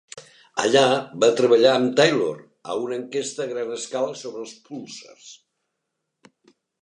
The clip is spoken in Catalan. Allà va treballar amb Taylor a una enquesta a gran escala sobre els púlsars.